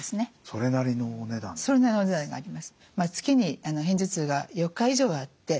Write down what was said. それなりのお値段になります。